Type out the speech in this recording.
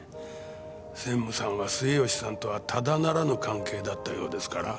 専務さんは末吉さんとはただならぬ関係だったようですから。